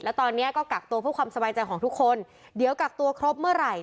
แล้วตอนนี้ก็กักตัวเพื่อความสบายใจของทุกคนเดี๋ยวกักตัวครบเมื่อไหร่